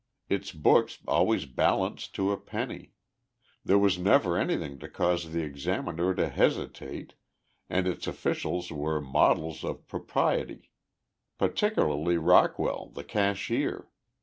Its books always balanced to a penny. There was never anything to cause the examiner to hesitate, and its officials were models of propriety. Particularly Rockwell, the cashier.